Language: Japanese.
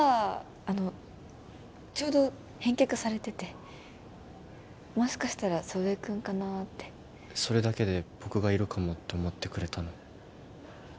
あのちょうど返却されててもしかしたら祖父江君かなってそれだけで僕がいるかもって思ってくれたの？